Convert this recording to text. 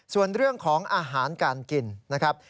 ส่วนเรื่องของอาหารการกินนะครับ